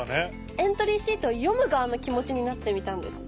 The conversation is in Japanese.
エントリーシートを読む側の気持ちになってみたんです。